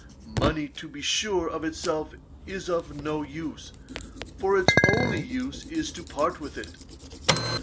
Money, to be sure, of itself is of no use; for its only use is to part with it.